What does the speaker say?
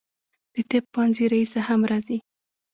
د طب پوهنځي رییسه هم راځي.